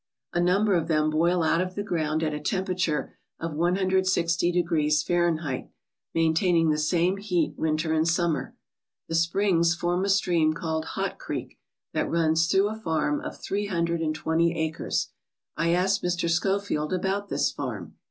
A number of them boil out of the ground at a temperature of 160 degrees Fahren heit, maintaining the same heat winter and summer. The springs form a stream called Hot Creek that runs through a farm of three hundred and twenty acres. I asked Mr. Schofield about this farm.